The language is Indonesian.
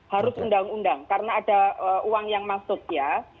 harus undang undang karena ada uang yang masuk ya